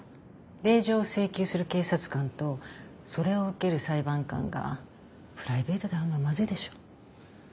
令状を請求する警察官とそれを受ける裁判官がプライベートで会うのはまずいでしょ。